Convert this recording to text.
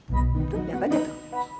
lihat aja tuh